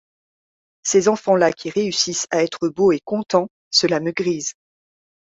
Ces enfants-là qui réussissent à être beaux et contents, cela me grise.